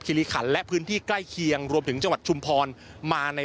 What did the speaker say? ริขันและพื้นที่ใกล้เคียงรวมถึงจังหวัดชุมพรมาใน